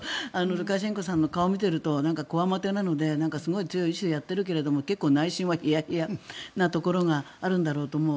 ルカシェンコさんの顔を見ていると、こわもてなのですごい強い意思でやっているけれど内心はヒヤヒヤなところがあるんだろうと思う。